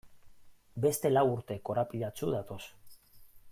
Beste lau urte korapilatsu datoz.